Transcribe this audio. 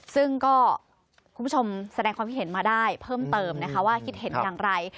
ซึ่งก็คุณผู้ชมแสดงความคิดเห็นมาได้เพิ่มเติมนะคะว่าคิดเห็นอย่างไร